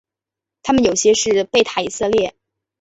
他们有些是贝塔以色列。